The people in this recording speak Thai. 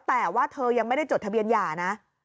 แต่ว่าเธอยังไม่ได้จดทะเบียนหย่านะ